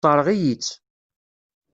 Tessṛeɣ-iyi-tt.